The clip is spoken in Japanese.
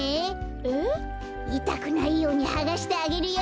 えっ？いたくないようにはがしてあげるよ。